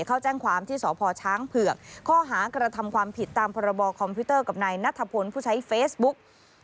เขาแจ้งความที่สพช้างเผือกข้อหากระทำความผิดตามพคกับนัยนัทธพลผู้ใช้เฟซบุ๊ค